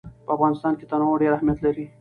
په افغانستان کې تنوع ډېر اهمیت لري.